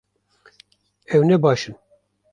Ew ne baş in